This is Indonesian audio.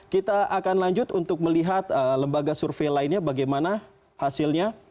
kita akan lanjut untuk melihat lembaga survei lainnya bagaimana hasilnya